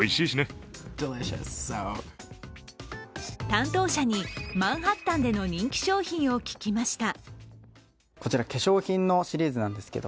担当者にマンハッタンでの人気商品を聞きました。